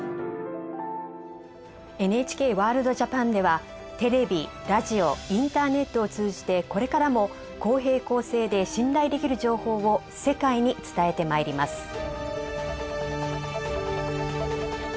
「ＮＨＫワールドＪＡＰＡＮ」ではテレビラジオインターネットを通じてこれからも公平・公正で信頼できる情報を世界に伝えてまいります。